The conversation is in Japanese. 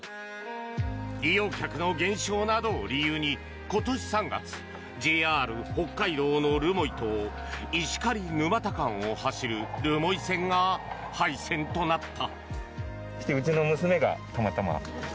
利用客の減少などを理由に今年３月ＪＲ北海道の留萌と石狩沼田間を走る留萌線が廃線となった。